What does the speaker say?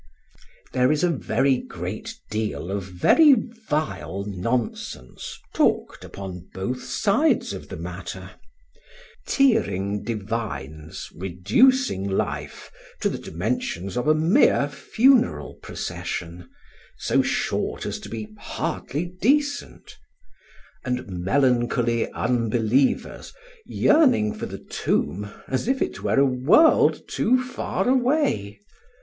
There is a great deal of very vile nonsense talked upon both sides of the matter: tearing divines reducing life to the dimensions of a mere funeral procession, so short as to be hardly decent; and melancholy unbelievers yearning for the tomb as if it were a world too far away.